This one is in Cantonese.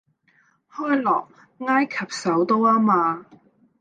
開羅，埃及首都吖嘛